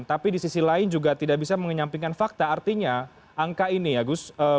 tapi di sisi lain juga tidak bisa menyampingkan fakta artinya angka ini ya gus